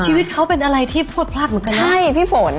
ชีวิตเขาเป็นอะไรที่พวดพลาดเหมือนกันใช่พี่ฝน